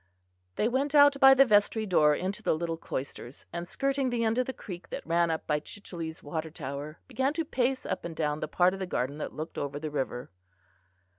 They went out by the vestry door into the little cloisters, and skirting the end of the creek that ran up by Chichele's water tower began to pace up and down the part of the garden that looked over the river.